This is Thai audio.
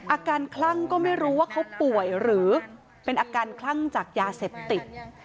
คลั่งก็ไม่รู้ว่าเขาป่วยหรือเป็นอาการคลั่งจากยาเสพติด